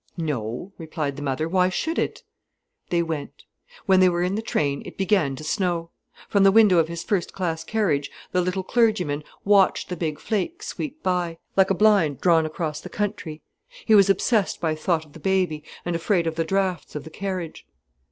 "No," replied the mother, "why should it?" They went. When they were in the train, it began to snow. From the window of his first class carriage the little clergyman watched the big flakes sweep by, like a blind drawn across the country. He was obsessed by thought of the baby, and afraid of the draughts of the carriage.